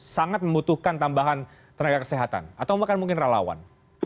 sangat membutuhkan tambahan tenaga kesehatan atau mungkin ralawan